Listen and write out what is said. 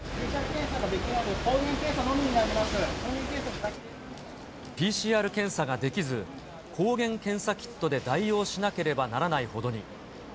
ＰＣＲ検査ができないので、ＰＣＲ検査ができず、抗原検査キットで代用しなければならないほどに。